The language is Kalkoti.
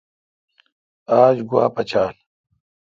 آج گوا پچال۔